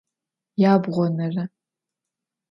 Yabğonere.